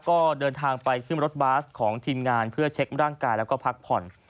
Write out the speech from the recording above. ก็เดินทางไปขึ้นรถบัสของทีมงานเพื่อเช็คร่างกายแล้วก็พักผ่อน